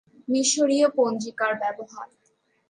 মিশরীয় পঞ্জিকার ব্যবহার।